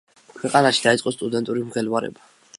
ქვეყანაში დაიწყო სტუდენტური მღელვარება.